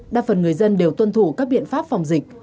đa phần người dân đều tuân thủ các biện pháp phòng dịch